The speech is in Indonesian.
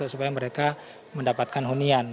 supaya mereka mendapatkan hunian